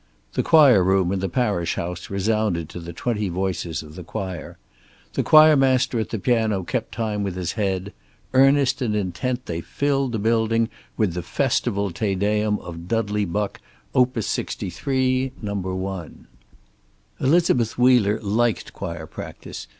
The choir room in the parish house resounded to the twenty voices of the choir. The choir master at the piano kept time with his head. Earnest and intent, they filled the building with the Festival Te Deum of Dudley Buck, Opus 63, No. 1. Elizabeth Wheeler liked choir practice.